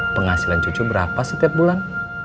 penghasilan cucu berapa setiap bulan